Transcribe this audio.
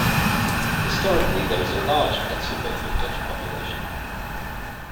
Historically there is a large Pennsylvania Dutch population.